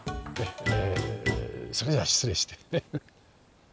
えそれでは失礼して。